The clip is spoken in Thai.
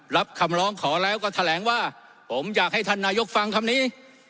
รับคำร้องขอแล้วก็แถลงว่าผมอยากให้ท่านนายกฟังคำนี้